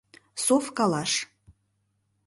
Совкалаш